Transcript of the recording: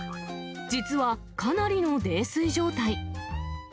実はかなりの泥酔状態。